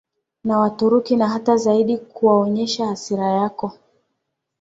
na Waturuki na hata zaidi kuwaonyesha hasira yako